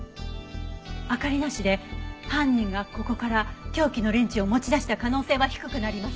明かりなしで犯人がここから凶器のレンチを持ち出した可能性は低くなります。